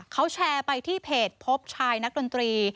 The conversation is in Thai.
เขาแชร์ไปที่เพจพบชายนักดนตรี